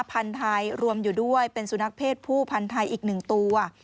พันธัยรวมอยู่ด้วยเป็นสุนัขเพศผู้พันธัยอีก๑ตัว